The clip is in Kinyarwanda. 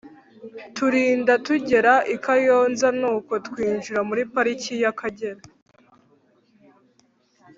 turinda tugera i kayonza nuko twinjira muri pariki y’akagera